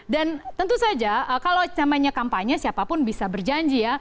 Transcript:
dan tentu saja kalau campainya kampanye siapapun bisa berjanji